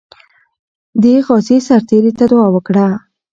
دې غازي سرتیري ته دعا وکړه.